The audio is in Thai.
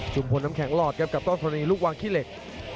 จุ่มผนำแข็งรอดกับต้อนเท้าหันิงลูกวางขี้เหล็ก